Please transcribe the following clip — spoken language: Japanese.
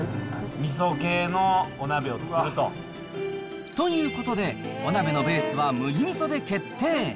みそ系のお鍋を作ると。ということで、お鍋のベースは麦みそで決定。